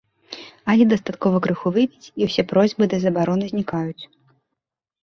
Але дастаткова крыху выпіць, і ўсе просьбы ды забароны знікаюць.